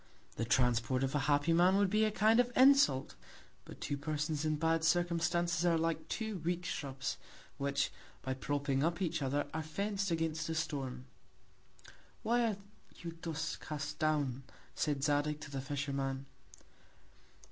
The Transport of a happy Man, would be a Kind of Insult; but two Persons in bad Circumstances, are like two weak Shrubs, which, by propping up each other, are fenc'd against a Storm. Why are you thus cast down, said Zadig to the Fisherman?